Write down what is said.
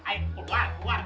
ayo keluar keluar